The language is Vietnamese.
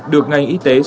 được ngành y tế sử dụng